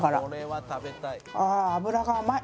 あ脂が甘い。